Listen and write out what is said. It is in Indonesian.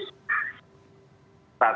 makanya pvmbg memberikan status